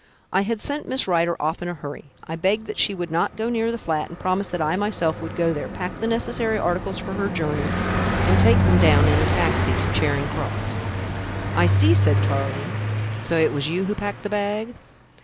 I had sent Miss Rider off in a hurry. I begged that she would not go near the flat, and I promised that I myself would go there, pack the necessary articles for the journey and take them down in a taxi to Charing Cross." "I see," said Tarling, "so it was you who packed the bag?"